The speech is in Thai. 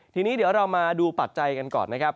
ทีนี้เดี๋ยวเรามาดูปัจจัยกันก่อนนะครับ